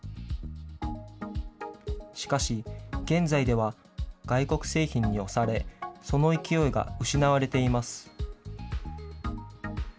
しかし現在では、外国製品に押され、その勢いが失われています。